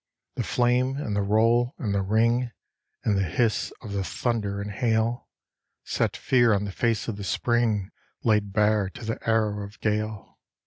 The flame, and the roll, and the ring, and the hiss of the thunder and hail Set fear on the face of the Spring laid bare to the arrow of gale.